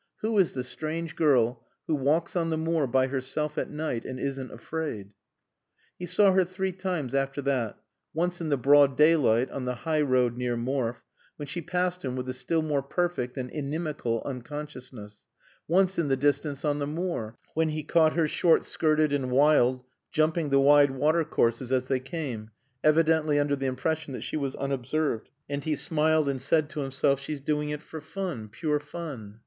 "Who is the strange girl who walks on the moor by herself at night and isn't afraid?" He saw her three times after that; once in the broad daylight, on the high road near Morfe, when she passed him with a still more perfect and inimical unconsciousness; once in the distance on the moor, when he caught her, short skirted and wild, jumping the wide water courses as they came, evidently under the impression that she was unobserved. And he smiled and said to himself, "She's doing it for fun, pure fun."